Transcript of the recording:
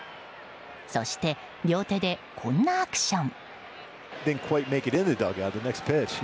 そして、両手でこんなアクション。